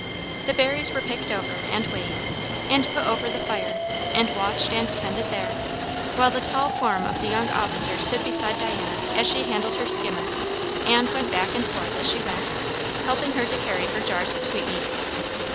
The berries were picked over, and weighed, and put over the fire, and watched and tended there; while the tall form of the young officer stood beside Diana as she handled her skimmer, and went back and forth as she went, helping her to carry her jars of sweetmeat.